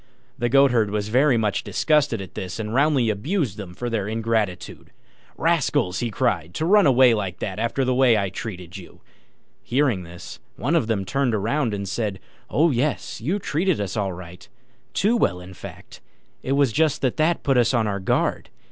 The Goatherd was very much disgusted at this, and roundly abused them for their ingratitude. "Rascals!" he cried, "to run away like that after the way I've treated you!" Hearing this, one of them turned round and said, "Oh, yes, you treated us all right too well, in fact; it was just that that put us on our guard.